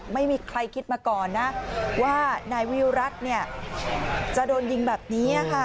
ไม่มีใครคิดมาก่อนนะว่านายวิรัติจะโดนยิงแบบนี้ค่ะ